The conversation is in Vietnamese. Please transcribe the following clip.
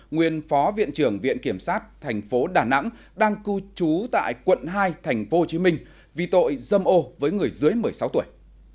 nguyên phó viện trưởng viện kiểm sát tp đà nẵng đang cư trú tại quận hai tp hcm vì tội dâm ô với người dưới một mươi sáu tuổi